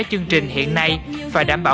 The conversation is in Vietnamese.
chương trình hiện nay và đảm bảo